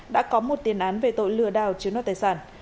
đã có một tiền án về tội lừa đào chiếu nốt tài sản